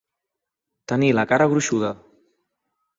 Tenir la cara gruixuda.